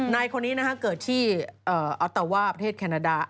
นายคนนี้เกิดที่อัตว่าประเทศแคนาดา